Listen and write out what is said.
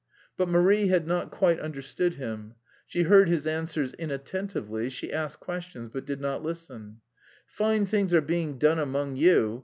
But Marie had not quite understood him. She heard his answers inattentively; she asked questions but did not listen. "Fine things are being done among you!